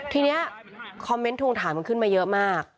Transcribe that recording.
ทีนี้คอมเมนต์ทวงถามมันขึ้นมาเยอะมาก